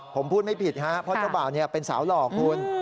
ผมพูดไม่ผิดครับเพราะเจ้าบ่าวเป็นสาวหล่อคุณ